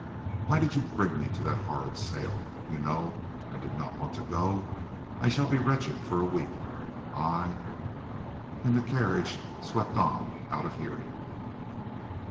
Why did you bring me to that horrid sale? You know I did not want to go. I shall be wretched for a week, I——" and the carriage swept on out of hearing.